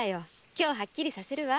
今日はっきりさせるわ。